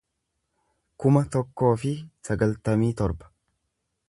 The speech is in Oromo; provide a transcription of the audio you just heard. kuma tokkoo fi sagaltamii torba